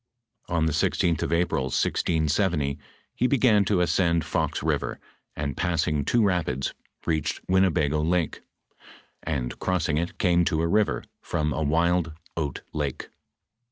On the 16th of April, 1670, he began to ascend Fox river, and passing two rapids, reached Winnebago lake, and crossing it, came to a river " from a wild oat lake."